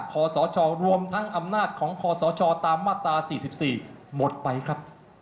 ขอสชรวมทั้งอำนาจของคศตามมาตรา๔๔หมดไปครับ